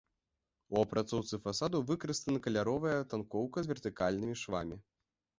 У апрацоўцы фасадаў выкарыстаны каляровая тынкоўка з вертыкальнымі швамі.